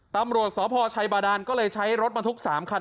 ตำรวจสพชัยบาดานก็เลยใช้รถบรรทุก๓คัน